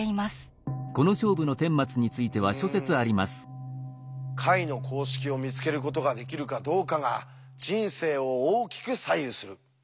うん解の公式を見つけることができるかどうかが人生を大きく左右する。